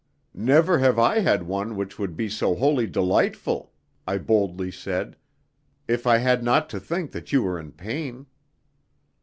"Never have I had one which would be so wholly delightful," I boldly said, "if I had not to think that you were in pain."